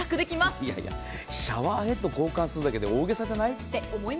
いやいや、シャワーヘッド交換するだけで大げさじゃない？